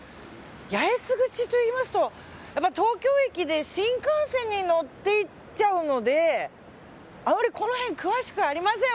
八重洲口といいますとやっぱり東京駅で新幹線に乗っていっちゃうのであまりこの辺詳しくありません。